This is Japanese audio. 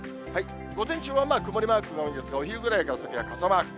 午前中は曇りマークが多いんですが、お昼ぐらいから先は傘マーク。